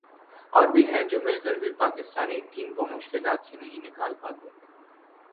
اور بھی ہیں جو مل کر بھی پاکستانی ٹیم کو مشکلات سے نہیں نکال پاتے ۔